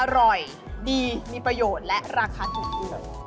อร่อยดีมีประโยชน์และราคาถูกด้วย